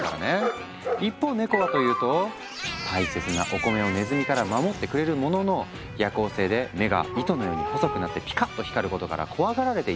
一方ネコはというと大切なお米をネズミから守ってくれるものの夜行性で目が糸のように細くなってピカッと光ることから怖がられていたんだ。